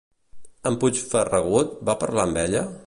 En Puigrafegut va parlar amb ella?